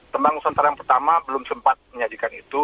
tembang nusantara yang pertama belum sempat menyajikan itu